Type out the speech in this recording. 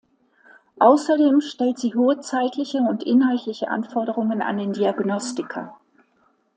Außerdem stellt sie hohe zeitliche und inhaltliche Anforderungen an den Diagnostiker.